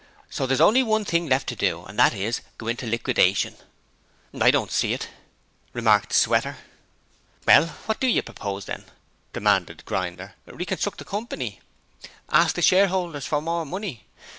So there's only one thing left to do and that is go into liquidation.' 'I don't see it,' remarked Sweater. 'Well, what do you propose, then?' demanded Grinder. 'Reconstruct the company? Ask the shareholders for more money?